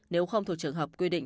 nếu không thuộc trường hợp quy định